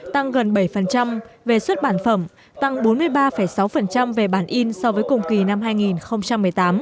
tăng gần bảy về xuất bản phẩm tăng bốn mươi ba sáu về bản in so với cùng kỳ năm hai nghìn một mươi tám